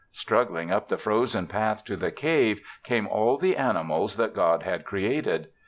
Struggling up the frozen path to the cave came all the animals that God had created.